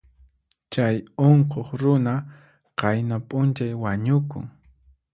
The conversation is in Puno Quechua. Chay unquq runa qayna p'unchay wañukun.